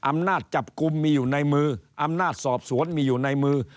อำนาจจับกลุ่มมีอยู่ในมืออำนาจสอบสวนมีอยู่ในมือ